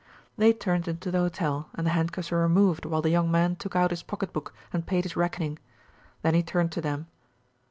They turned into the hotel, and the handcuffs were removed while the young man took out his pocketbook and paid his reckoning. Then he turned to them.